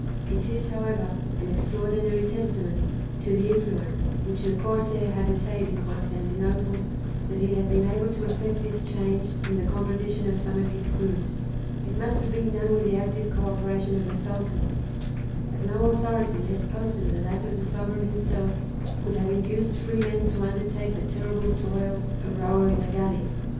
It is, however, an extraordinary testimony to the influence which the corsair had attained in Constantinople that he had been able to effect this change in the composition of some of his crews; it must have been done with the active coöperation of the Sultan, as no authority less potent than that of the sovereign himself could have induced free men to undertake the terrible toil of rower in a galley.